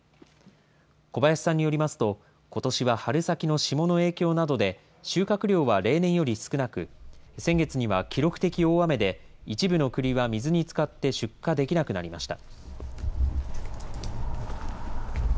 小林さんによると、ことしは春先の霜の影響などで、収穫量は例年より少なく、先月には記録的大雨で、一部のくりは水につかって出荷できなくなりました。